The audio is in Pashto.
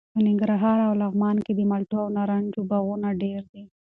په ننګرهار او لغمان کې د مالټو او نارنجو باغونه ډېر دي.